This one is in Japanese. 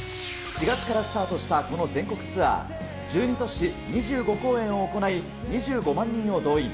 ４月からスタートしたこの全国ツアー、１２都市２５公演を行い、２５万人を動員。